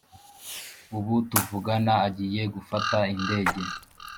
Ubu tuvugana agiye gufata indege